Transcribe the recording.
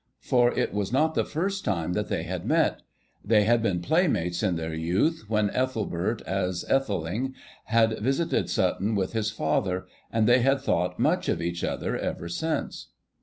For it was not the first time that they had met. They had been playmates in their youth when Ethelbert as Ætheling had visited Sutton with his father, and they had thought much of each other ever since.